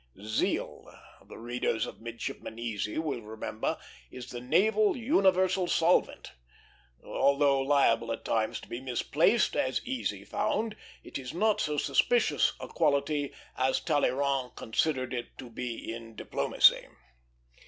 Zeal, the readers of Midshipman Easy will remember, is the naval universal solvent. Although liable at times to be misplaced, as Easy found, it is not so suspicious a quality as Talleyrand considered it to be in diplomacy.